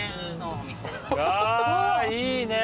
あいいね。